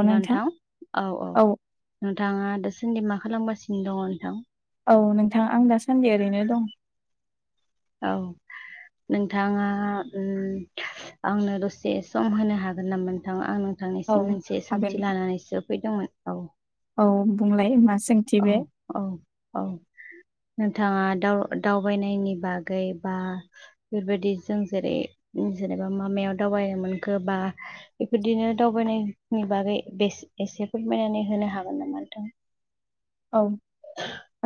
हेल' नोंथां औ औ नोंथाङा दासान्दि मा खालामगासिनो दङ नोंथां? औ नोंथां आं दासान्दि ओरैनो दं। औ नोंथाङा उम्म आंनो दसे सम होनो हागोन नामा नोंथाङा आंनो? औ थांनिसिम मोनसे हागोन सोंथि लानानैसो फैदोंमोन औ। औ बुंलाय। मा सोंथि औ बे औ औ। नोंथाङा दाव दावबायनायनि बागै बा बेबायदि जों जेरै जेनेबा मा मायाव दावबायनो मोनखो बा बेफोरदिनो दावबायनायनि बागै बेस एसे फोरमायनानै होनो हागोन नामा नोंथां? औ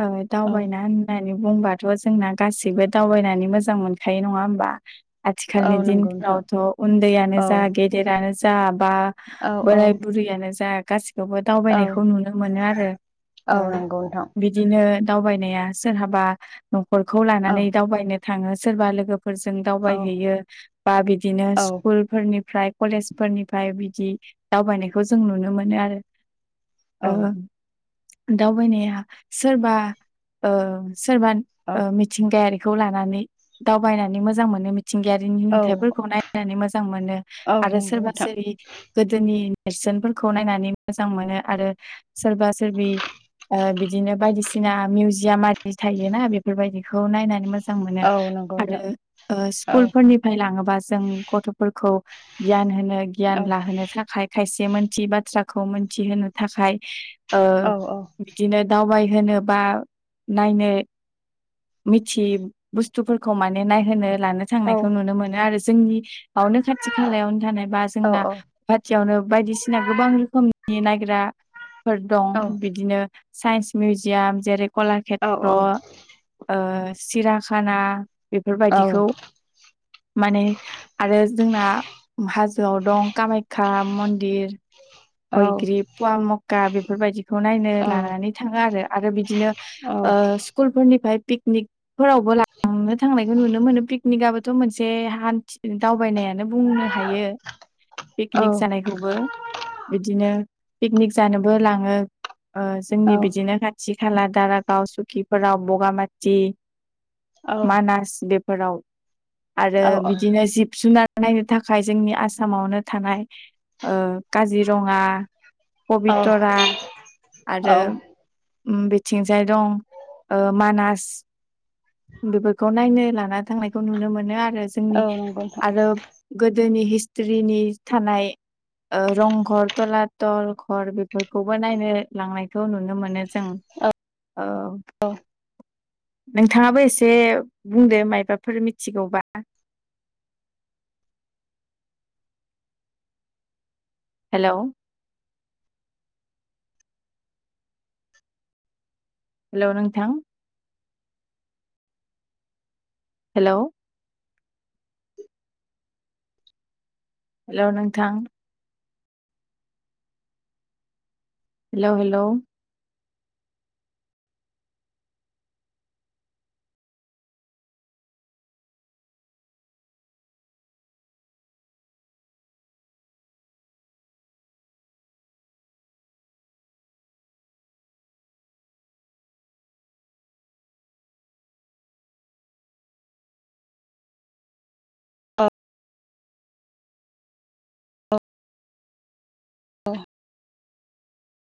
ओ औ दावबायना होननानै बुंबाथ' जोंना गासैबो दावबायनानै मोजां मोनखायो नङा होमबा? आथिखालनि औ नंगौ नोंथां दिनफ्रावथ' उन्दैयानो औ जा गेदेरानो जा बा औ औ बोराय बुरैयानो जा गासिखौबो औ दावबायनायखौ नुनो मोनो आरो। औ ओ नंगौ नोंथां। बिदिनो दावबायनाया सोरहाबा न'खरखौ औ लानानै दावबायनो थाङो सोरबा लोगोफ फोरजों औ दावबायहैयो बा बिदिनो औ स्कुलफोरनिफ फ्राय कलेज फोरनिफाय बिदि दावबायनायखौ जों नुनो मोनो आरो। ओ औ दावबायनाया सोरबा ओ सोरबा औ ओ मिथिंगायारिखौ लानानै दावबायनानै मोजां मोनो। थिंगायारिनि औ नुथायाइफोरखौ नायनानै मोजां मोनो औ आरो नंगौ सोरबा नोंथां सोरगिदिं गोदोनि नेरसोनफोरखौ नायनानै मोजां मोनो आरो सोरबा सोरबि ओ बिदिनो बायदिसिना मिउजियाम आरि थायोना बेफोरबायदिखौ नायनानै मोजां मोजां मोनो औ नंगौ नोंथां आरो ओ औ स्कुलफोरनिफ्राय लाङोबा जों गथ'फोरखौ गियान होनो औ गियान लाहोनो थाखाय खायस बे मोनथियै बाथ्राखौ मोनथिहोनो थाखाय‌ ओ औ औ बिदिनो दावबाय होनो बा नायनो मिथियै बुस्थुफोरखौ माने नायहोनो लानो औ थांनायखौ नुनो मोनो आरो जोंनि बावनो खाथि खालायावनो थानाय बा औ जोंना गुवाटियावनो बायदिसिना गोबां रोखोमनि नि नायग्राफोर दं औ बिदिनो साइन्स मिउजियाम जेरै औ कलाखेत्र ओ सिराखाना। औ बेफोरबायदिखौ माने आरो जोंना हाजोआव दं कामाख्या मन्दिर हयग्रिब पवा मक्का बेफोरबायदि खौ नायनो लानानै थाङो आरो। आरो बिदिनो‌ ओ स्कुलफोरनिफाय पिकनिकफोरावबो लांना थांनायखौ नुनो मोनो। पिकनिकाबो थ' मोनसे हान्थि दावबायनाया बुंनो हायो पिकनिक जानायखौबो। बिदिनो पिकनिक जानोबो लाङो ओ जोंनि बिदिनो खाथि खाला दारागाव सुकिफारा बगामाथि मानास बे फोराव आरो औ औ बिदिनो जिब-जुनार नायनो थाखाय जोंनि आसामावनो थानाय ओ काजिरङा, औ पबितरा आरो औ बिथिंजाय दं ओ मानास। बेफोरखौ नायनो लाना थांनायखौ नुनो मोनो आरो जोंनि नंगौ नोंथां आरो गो दोनि हिस्टरिनि थानाय रंघर थलाथल घर बेफोरखौबो नायनो लांनायखौ नु नो मोनो जों ओ औ [inaudible] नों थाङाबो एसे बुंदो माइबाफोर मिथिगौबा। [inaudible] हेलौ। हेलौ नोंथां। हेलौ। हेलौ नोंथां। Hello hello. औ [inaudible] औ [inaudible]